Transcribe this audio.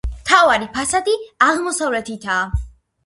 მთავარი ფასადი აღმოსავლეთითაა.